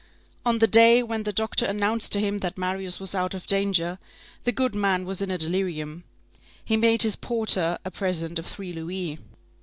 On the day when the doctor announced to him that Marius was out of danger, the good man was in a delirium. He made his porter a present of three louis.